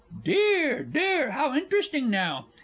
Dear, dear, how interesting, now!